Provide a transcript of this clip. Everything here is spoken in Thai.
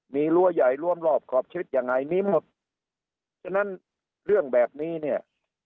มีรั้วใหญ่ร่วมรอบขอบชิดยังไงมีหมดฉะนั้นเรื่องแบบนี้เนี่ย